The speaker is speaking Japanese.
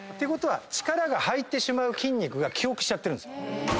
力が入ってしまう筋肉が記憶しちゃってるんですよ。